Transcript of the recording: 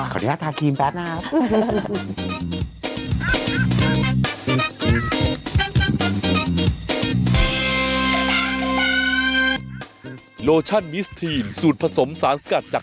ขออนุญาตทางครีมแป๊บนะครับนะครับ